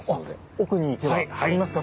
奥に行けばありますか？